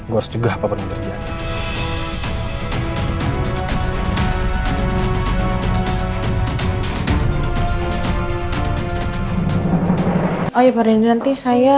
gue harus juga hape hapen yang terjadi